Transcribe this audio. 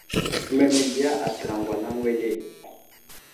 Həhme məgiya aslər agwalaŋ wele ?